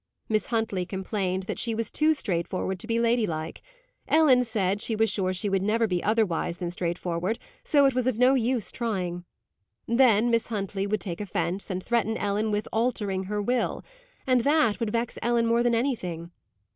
Miss Huntley complained that she was too straightforward to be ladylike; Ellen said she was sure she should never be otherwise than straightforward, so it was of no use trying. Then Miss Huntley would take offence, and threaten Ellen with "altering her will," and that would vex Ellen more than anything.